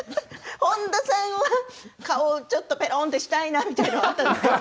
本田さんは顔をちょっとペロンってしたいなみたいのはあったんですか？